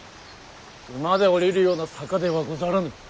馬で下りるような坂ではござらぬ。